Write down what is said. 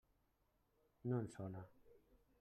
No em sona.